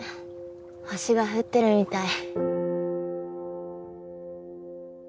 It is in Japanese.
星が降ってるみたい。